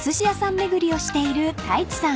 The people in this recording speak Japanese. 巡りをしている太一さん］